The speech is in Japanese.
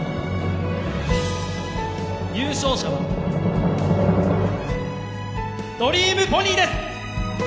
優勝者はドリームポニーです！